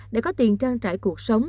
để có tiền trang trải cuộc sống